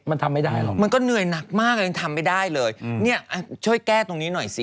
มันทำไม่ได้หรอกมันก็เหนื่อยหนักมากเลยยังทำไม่ได้เลยเนี่ยช่วยแก้ตรงนี้หน่อยสิ